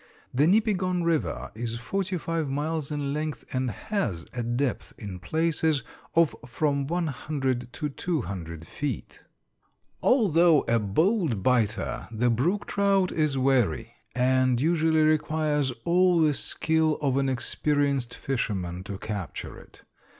The Nipigon River is forty five miles in length and has a depth, in places, of from one hundred to two hundred feet. Although a bold biter, the brook trout is wary, and usually requires all the skill of an experienced fisherman to capture it.